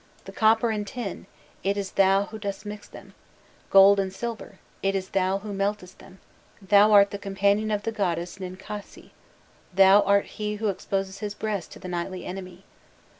The copper and tin, it is thou who dost mix them, gold and silver, it is thou who meltest them, thou art the companion of the goddess Ninkasi thou art he who exposes his breast to the nightly enemy!